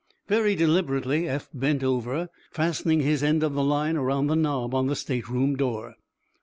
Very deliberately Eph bent over, fastening his end of the line around the knob on the stateroom door.